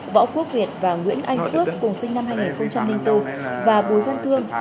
võ quốc việt và nguyễn anh phước cùng sinh năm hai nghìn bốn và bùi văn thương